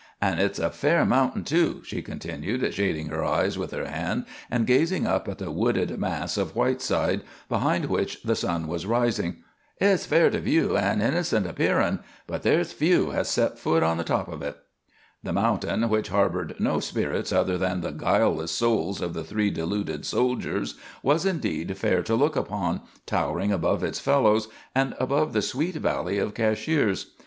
An' hit's a fair mountain, too," she continued, shading her eyes with her hand and gazing up at the wooded mass of Whiteside, behind which the sun was rising. "Hit's fair to view, an' innocent appearin', but there's few has set foot on the top o' hit." The mountain, which harbored no spirits other than the guileless souls of the three deluded soldiers, was indeed fair to look upon, towering above its fellows and above the sweet valley of Cashiers.